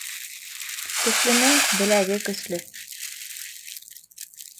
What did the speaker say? Көслөнөң беләге көслө.